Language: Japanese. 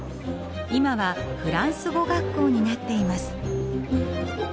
今はフランス語学校になっています。